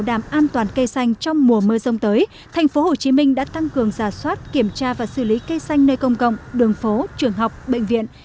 an toàn cây xanh trong mùa mưa sông tới thành phố hồ chí minh đã tăng cường giả soát kiểm tra và xử lý cây xanh nơi công cộng đường phố trường học bệnh viện